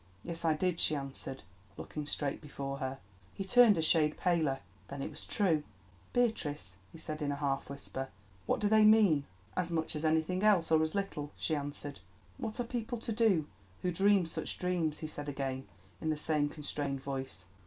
"Yes, I did," she answered, looking straight before her. He turned a shade paler. Then it was true! "Beatrice," he said in a half whisper, "what do they mean?" "As much as anything else, or as little," she answered. "What are people to do who dream such dreams?" he said again, in the same constrained voice.